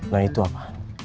nah itu apa